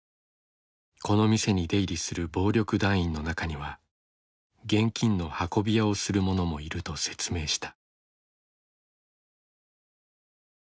この店に出入りする暴力団員の中には現金の運び屋をする者もいると説明した。